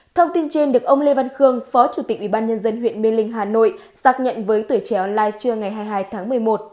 thông tin trên được ông lê văn khương phó chủ tịch ubnd huyện mê linh hà nội xác nhận với tuổi trẻ online trưa ngày hai mươi hai tháng một mươi một